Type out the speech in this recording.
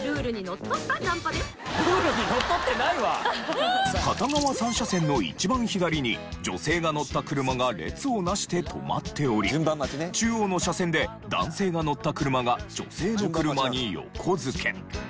さらに片側３車線の一番左に女性が乗った車が列を成して止まっており中央の車線で男性が乗った車が女性の車に横付け。